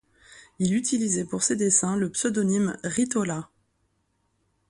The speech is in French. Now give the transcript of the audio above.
Il utilisait pour ses dessins le pseudonyme Rit-Ola.